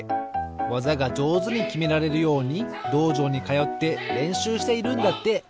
わざがじょうずにきめられるようにどうじょうにかよってれんしゅうしているんだって！